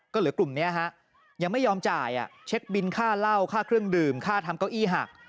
ก็เหลือกลุ่มนี้ฮะยังไม่ยอมจ่ายเช็คบินค่าเหล้าค่าเครื่องดื่มค่าทำเก้าอี้หัก